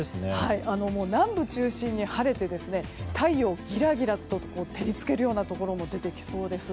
南部を中心に晴れて太陽がギラギラと照りつけるようなところも出てきそうです。